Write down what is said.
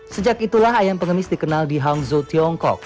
sejak itulah ayam pengemis dikenal di hangzhou tiongkok